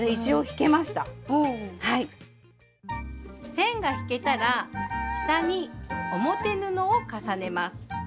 線が引けたら下に表布を重ねます。